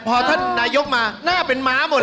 พอท่านนายกมาหน้าเป็นม้าหมดเลย